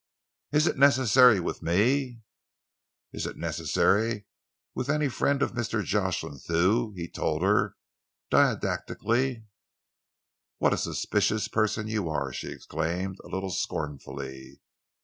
"Is it necessary with me?" "It is necessary with any friend of Mr. Jocelyn Thew," he told her didactically. "What a suspicious person you are!" she exclaimed, a little scornfully.